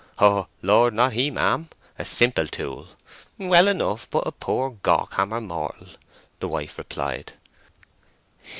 "Oh Lord, not he, ma'am! A simple tool. Well enough, but a poor gawkhammer mortal," the wife replied.